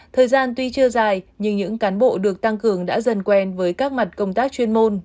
thời gian tuy chưa dài nhưng những cán bộ được tăng cường đã dần quen với các mặt công tác chuyên môn